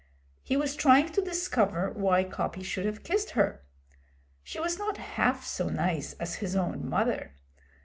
He was trying to discover why Coppy should have kissed her. She was not half so nice as his own mother.